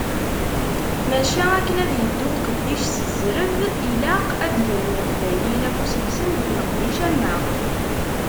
Maca, akken ad yeddu uqeddic s zzreb, ilaq ad d-gren yiqbayliyen afus-nsen deg leqdic am wa.